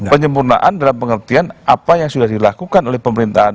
penyempurnaan dalam pengertian apa yang sudah dilakukan oleh pemerintahan